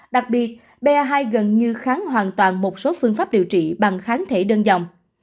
đặc biệt ba hai gần như kháng hoàn toàn một số phương pháp điều trị bằng kháng thể đơn dòng